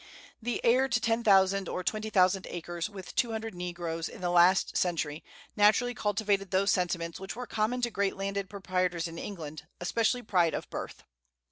The heir to ten thousand or twenty thousand acres, with two hundred negroes, in the last century, naturally cultivated those sentiments which were common to great landed proprietors in England, especially pride of birth.